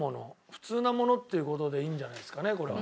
普通なものっていう事でいいんじゃないですかねこれは。